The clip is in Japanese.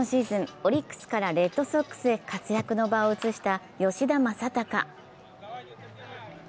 オリックスからレッドソックスへ活躍の場を移した吉田正尚。